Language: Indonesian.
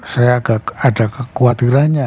saya agak ada kekhawatirannya